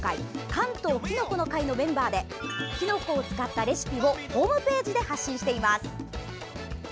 関東きのこの会のメンバーできのこを使ったレシピをホームページで発信しています。